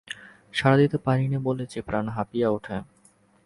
সাড়া দিতে পারি নে বলে যে প্রাণ হাঁপিয়ে ওঠে।